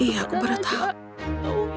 ya aku baru tahu